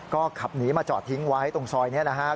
ก็ขับหนีมาจอดทิ้งไว้ตรงซอยนี้นะครับ